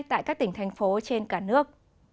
tại các tỉnh thành phố trên cả nước